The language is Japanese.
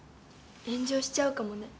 炎上しちゃうかもね。